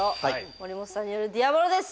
森本さんによる「ディアボロ」です。